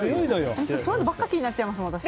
そういうのばっかり気になっちゃいますもん、私。